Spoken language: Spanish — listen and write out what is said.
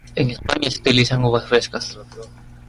En España se utilizan uvas frescas.